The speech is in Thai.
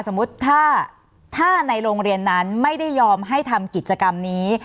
สมมุติถ้าในโรงเรียนนั้นไม่ได้ยอมให้ทำกิจกรรมนี้